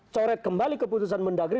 coret kembali keputusan mendagri